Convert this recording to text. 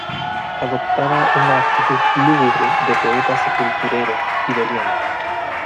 adoptaba una actitud lúgubre de poeta sepulturero y doliente.